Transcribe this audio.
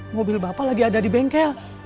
mobil bapak lagi ada di bengkel